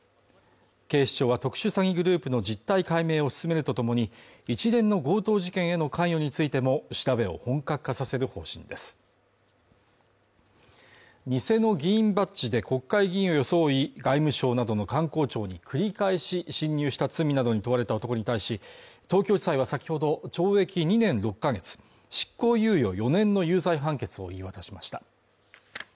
警視庁は特殊詐欺グループの実態解明を進めるとともに、一連の強盗事件への関与についても調べを本格化させる方針です偽の議員バッジで国会議員を装い外務省などの官公庁に繰り返し侵入した罪などに問われた男に対し、東京地裁は先ほど懲役２年６ヶ月執行猶予４年の有罪判決を言い渡しました。